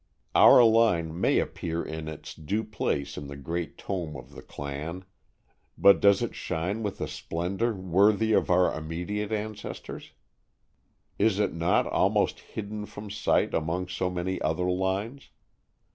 Our line may appear in its due place in the great tome of the clan, but does it shine with the splendor worthy of our immediate ancestors? Is it not almost hidden from sight among so many other lines?